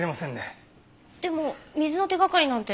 でも水の手掛かりなんて。